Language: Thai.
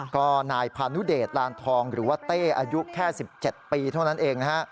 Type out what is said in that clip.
ก็นายพานุเดชลานทองหรือว่าเต้อายุแค่๑๗ปีเท่านั้นเองนะฮะ